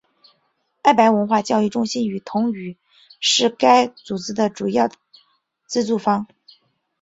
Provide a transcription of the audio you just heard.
爱白文化教育中心与同语是该组织的主要资助方。